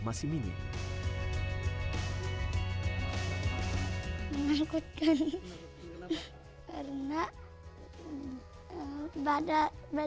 tidak ada penyelesaian yang bisa dilakukan oleh badak jawa